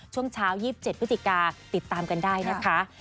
ช่วงเช้า๒๗พฤศจิกาติดตามกันได้นะคะ